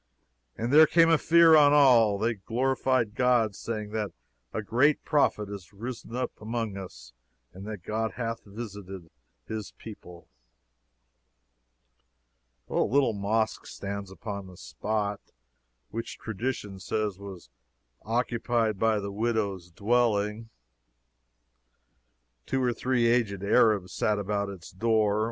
"And there came a fear on all. And they glorified God, saying, That a great prophet is risen up among us; and That God hath visited his people." A little mosque stands upon the spot which tradition says was occupied by the widow's dwelling. Two or three aged Arabs sat about its door.